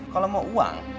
kalau mau uang